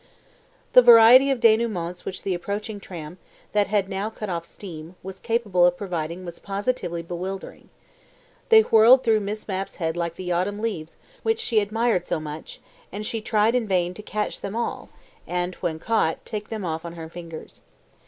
The variety of denouements which the approaching tram, that had now cut off steam, was capable of providing was positively bewildering. They whirled through Miss Mapp's head like the autumn leaves which she admired so much, and she tried in vain to catch them all, and, when caught, tick them off on her fingers.